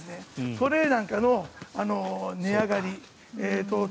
トレーなんかの値上がり